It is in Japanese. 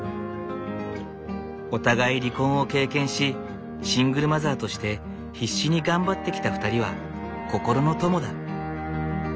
お互い離婚を経験しシングルマザーとして必死に頑張ってきた２人は心の友だ。